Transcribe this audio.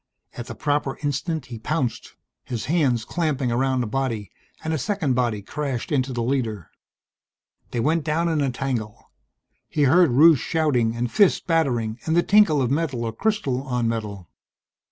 At the proper instant he pounced, his hands clamping around a body, and a second body crashed into the leader. They went down in a tangle. He heard Rusche shouting and fists battering and the tinkle of metal or crystal on metal.